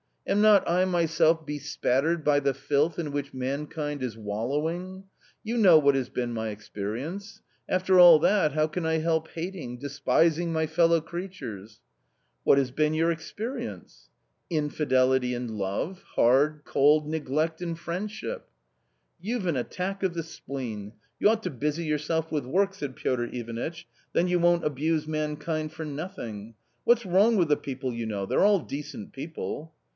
Am not I myself bespattered by the filth in which mankind is wallowing ? You know what has been my experience— after all that, how can I help hating, despising my fellow creatures !" "What has been your experience ?"" Infidelity in love, hard, cold neglect in friendship." " You've an attack of the spleen ! You ought to busy yourself with work," said Piotr Ivanitch, " then you won't abuse mankind for nothing. What's wrong with the people j you know ? they're all decent people."